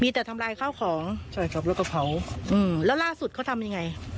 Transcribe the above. มีแต่ทำลายข้าวของใช่ครับแล้วก็เผาอืมแล้วล่าสุดเขาทำยังไง